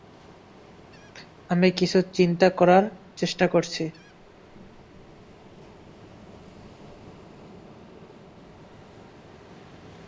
আমি কিছু চিন্তা করার চেষ্টা করছি।